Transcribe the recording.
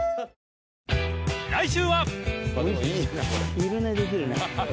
昼寝できるね。